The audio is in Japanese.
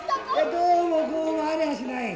どうもこうもありゃしない。